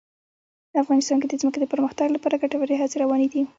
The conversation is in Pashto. افغانستان کې د ځمکه د پرمختګ لپاره ګټورې هڅې روانې دي.